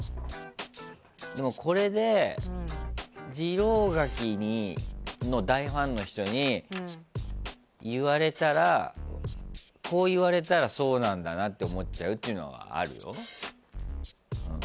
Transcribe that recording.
これで次郎柿の大ファンの人にこう言われたらそうなんだなって思っちゃうっていうのはあるよ。